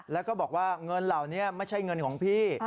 แล้วก็บอกว่าเงินเหล่านี้ไม่ใช่เงินของพี่